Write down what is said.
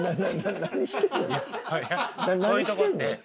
何してんねん？